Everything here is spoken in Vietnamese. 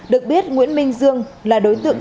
được biết nguyễn minh dương là đối tượng